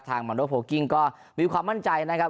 มาโนโพลกิ้งก็มีความมั่นใจนะครับ